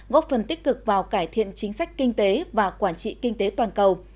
góp phần tích cực vào cải thiện chính sách kinh tế và quản trị kinh tế toàn cầu